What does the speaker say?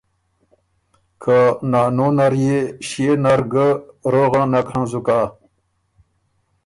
که نانو نر يې ݭيې نر ګۀ روغه نک هنزُک هۀ۔